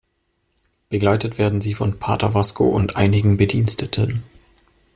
Begleitet werden sie von Pater Vasco und einigen Bediensteten.